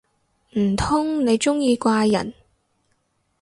唔通你鍾意怪人